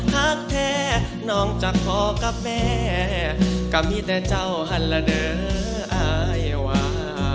หากแท้น้องจะขอกับแม่ก็มีแต่เจ้าหันละเด้ออายวา